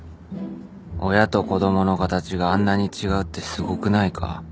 親と子供の形があんなに違うってすごくないか。